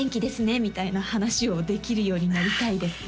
みたいな話をできるようになりたいですね